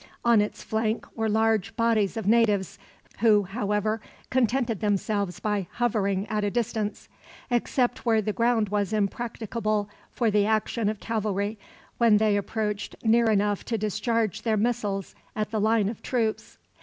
On its flanks were large bodies of natives; who, however, contented themselves by hovering at a distance; except where the ground was impracticable for the action of cavalry, when they approached near enough to discharge their missiles at the line of troops.